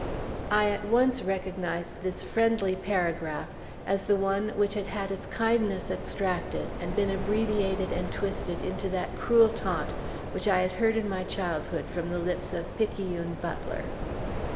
I at once recognized this friendly paragraph as the one which had had its kindness extracted, and been abbreviated and twisted into that cruel taunt which I had heard in my childhood from the lips of "Picayune Butler."